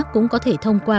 cũng có thể thông qua